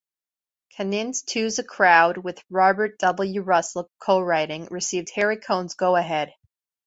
Kanin's "Two's a Crowd", with Robert W. Russell, co-writing, received Harry Cohn's go-ahead.